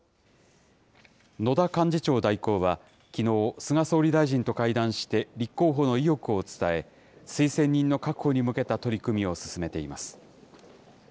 野田幹事長代行は、きのう、菅総理大臣と会談して、立候補の意欲を伝え、推薦人の確保に向けた取り組みを進めています。